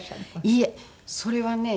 いいえそれはね。